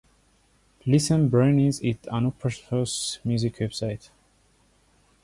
ListenBrainz is an open source music website.